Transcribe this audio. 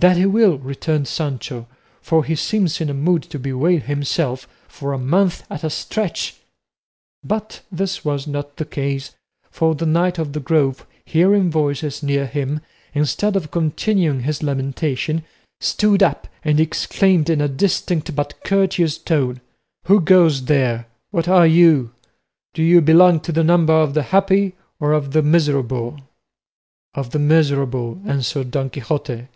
"That he will," returned Sancho, "for he seems in a mood to bewail himself for a month at a stretch." But this was not the case, for the Knight of the Grove, hearing voices near him, instead of continuing his lamentation, stood up and exclaimed in a distinct but courteous tone, "Who goes there? What are you? Do you belong to the number of the happy or of the miserable?" "Of the miserable," answered Don Quixote.